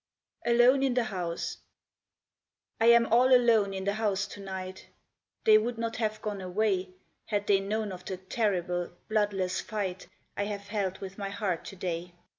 ALONE IN THE HOUSE I am all alone in the house to night; They would not have gone away Had they known of the terrible, bloodless fight I have held with my heart to day.